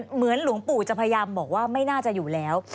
หลวงปู่จะพยายามบอกว่าไม่น่าจะอยู่แล้ว